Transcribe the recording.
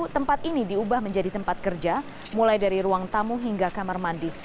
tempat ini diubah menjadi tempat kerja mulai dari ruang tamu hingga kamar mandi